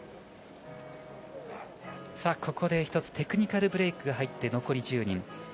ここで１つテクニカルブレークが入って残り１０人。